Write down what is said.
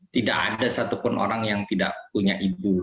tidak ada satupun orang yang tidak punya ibu